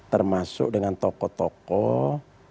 termasuk dengan tokoh tokoh